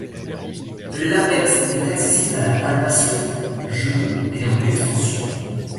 L’apex est accessible à la palpation, genoux en extension.